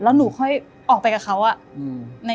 แล้วหนูค่อยออกไปกับเขา